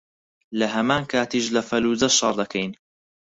لەهەمان کاتیش لە فەللوجە شەڕ دەکەین